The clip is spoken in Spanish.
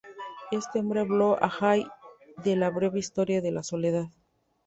Este hombre habló a Hay de la breve historia de la Sociedad.